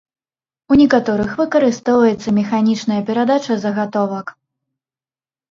У некаторых выкарыстоўваецца механічная перадача загатовак.